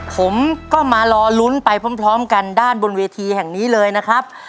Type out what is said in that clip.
ผมก็มารอลุ้นไปพร้อมกันด้านบนเวทีแห่งนี้เลยนะครับ